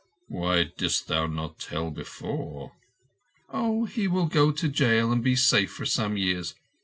"Why didst thou not tell before?" "Oh, he will go to jail, and be safe for some years.